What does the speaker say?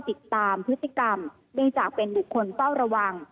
ติดตามพฤษฎิกรรมด้วยจากเป็นบุคคลเคร่าะวัง